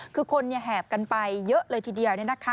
คือคนแหบกันไปเยอะเลยทีเดียว